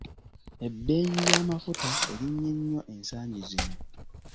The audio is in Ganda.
Ebbeeyi y'amafuta erinnye nnyo ensangi zino.